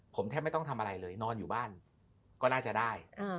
ผมแทบไม่ต้องทำอะไรเลยนอนอยู่บ้านก็น่าจะได้